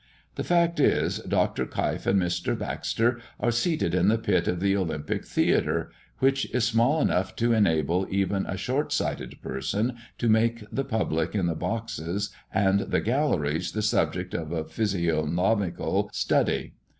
The fact is, Dr. Keif and Mr. Baxter are seated in the pit of the Olympic Theatre, which is small enough to enable even a short sighted person to make the public in the boxes and the galleries the subject of a physiognomical study.